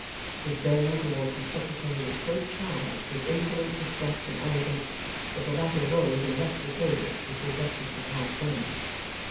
His bearing towards his Secretary was so charged with insolent distrust and arrogance, that the latter rose and left the table before breakfast was half done.